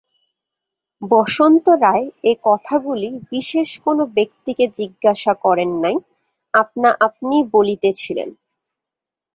বসন্ত রায় এ-কথাগুলি বিশেষ কোনো ব্যক্তিকে জিজ্ঞাসা করেন নাই– আপনা-আপনি বলিতেছিলেন।